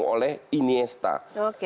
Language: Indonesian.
apalagi seandainya mereka bergabung dengan juve